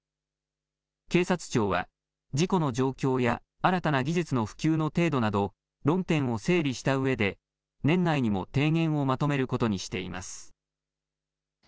警察庁は事故の状況や新たな技術の普及の程度など論点を整理したうえで年内にも提言をまとめることにしています。